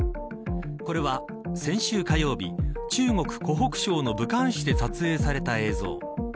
これは、先週火曜日中国、湖北省の武漢市で撮影された映像。